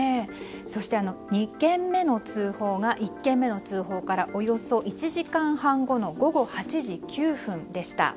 そして、２件目の通報が１件目の通報からおよそ１時間半後の午後８時９分でした。